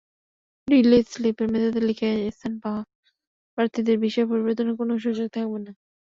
Release স্লিপের মেধাতালিকায় স্থান পাওয়া প্রার্থীদের বিষয় পরিবর্তনের কোনো সুযোগ থাকবে না।